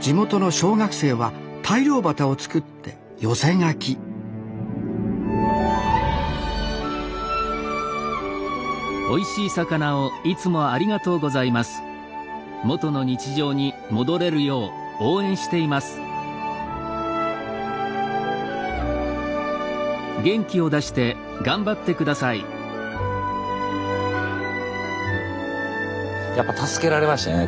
地元の小学生は大漁旗を作って寄せ書きやっぱ助けられましたね